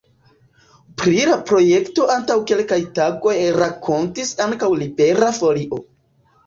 Pri la projekto antaŭ kelkaj tagoj rakontis ankaŭ Libera Folio.